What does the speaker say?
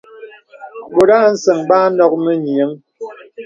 Bɔ̀t a nsə̀ŋ bə a nok mə nyìəŋ.